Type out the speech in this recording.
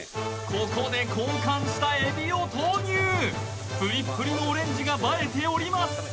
ここで交換した海老を投入プリップリのオレンジが映えております